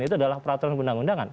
itu adalah peraturan undang undangan